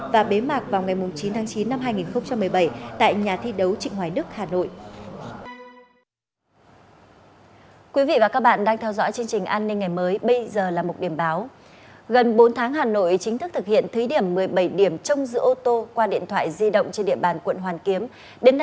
và bế mạc vào ngày chín tháng chín năm hai nghìn một mươi bảy tại nhà thi đấu trịnh hoài đức hà nội